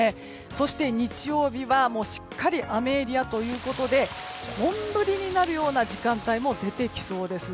そして、日曜日はしっかり雨エリアということで本降りになるような時間帯も出てきそうです。